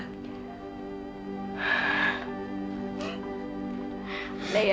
dan perutnya menikah